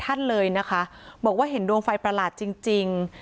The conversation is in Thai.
ท่านเลยนะคะบอกว่าเห็นดวงไฟประหลาดจริง